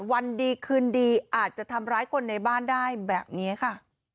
วันดีคืนดีอาจจะทำร้ายคนในบ้านได้แบบนี้ค่ะ